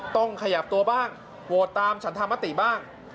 ต้องขยับตัวบ้างโหวตตามฉันธรรมติบ้าง